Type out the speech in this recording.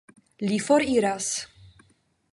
Li foriras.